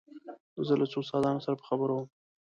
زه له څو استادانو سره په خبرو وم.